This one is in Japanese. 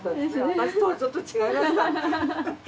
私とはちょっと違いました。